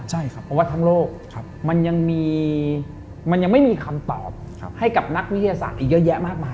เพราะวัฒนโลกมันยังไม่มีคำตอบให้กับนักวิทยาศาสตร์อีกเยอะแยะมากมาย